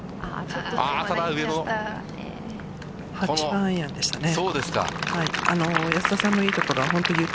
８番アイアンでしたね。